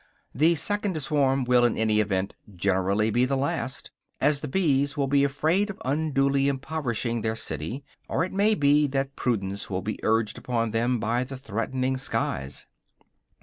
The second swarm will in any event generally be the last, as the bees will be afraid of unduly impoverishing their city, or it may be that prudence will be urged upon them by the threatening skies.